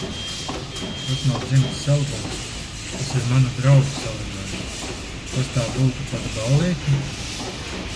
Tas nav dzimtas salidojums, tas ir manu draugu salidojums. Kas tā būtu pat ballīti?